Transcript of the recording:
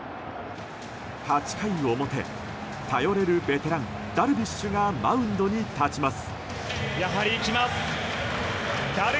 ８回表、頼れるベテランダルビッシュがマウンドに立ちます。